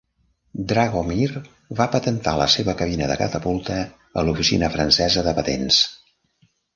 Dragomir va patentar la seva "cabina de catapulta" a l'Oficina Francesa de Patents.